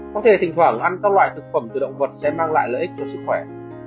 có thể thỉnh thoảng ăn các loại thực phẩm từ động vật sẽ mang lại lợi ích cho sức khỏe